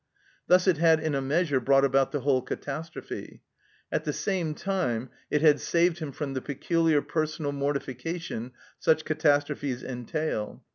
Thus it had in a measure brought about the whole catastrophe. At the same time it had saved him from the peculiar personal mortification such catastrophes entail.